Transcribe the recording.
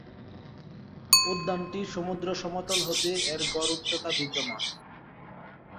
উদ্যানটি সমুদ্র সমতল হতে এর গড় উচ্চতা বিদ্যমান।